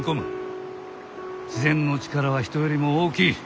自然の力は人よりも大きい。